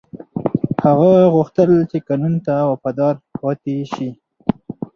هغه غوښتل چې قانون ته وفادار پاتې شي.